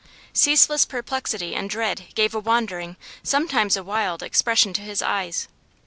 Ceaseless perplexity and dread gave a wandering, sometimes a wild, expression to his eyes.